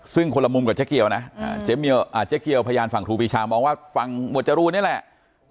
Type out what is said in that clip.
ซึ่งคนละมุมกับเจ๊เกียวนะเจ๊เกียวพยานฝั่งครูปีชามองว่าฝั่งหมวดจรูนนี่แหละ